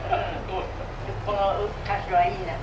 この歌手はいいなと。